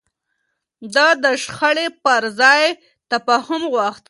ده د شخړې پر ځای تفاهم غوښت.